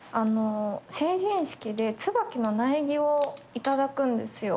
成人式でつばきの苗木を頂くんですよ。